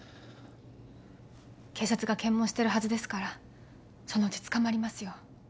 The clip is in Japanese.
警察が検問してるはずですからそのうち捕まりますよ。